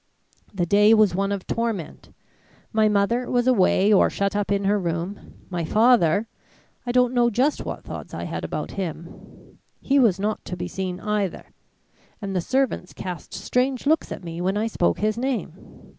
The day was one of torment. My mother was away or shut up in her room. My father I don't know just what thoughts I had about him. He was not to be seen either, and the servants cast strange looks at me when I spoke his name.